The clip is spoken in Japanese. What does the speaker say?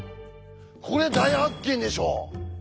これ大発見でしょう！？